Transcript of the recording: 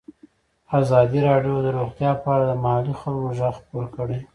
ازادي راډیو د روغتیا په اړه د محلي خلکو غږ خپور کړی.